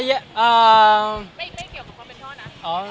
ไม่เกี่ยวกับความเป็นพ่อนะ